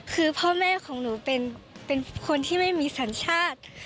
คือพ่อแม่ของหนูเป็นคนที่ไม่มีสัญชาติ